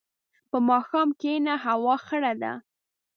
په ماښام کښېنه، هوا خړه ده.